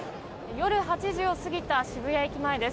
夜８時を過ぎた渋谷駅前です。